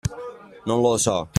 Non lo so.